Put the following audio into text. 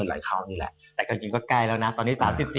แต่กลางจากนี้ก็ใกล้แล้วนะตอนนี้๓๔๘นะครับ